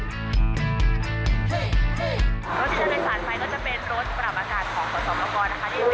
รถที่จะโดยสารไปก็จะเป็นรถปรับอากาศของขอสมกรนะคะ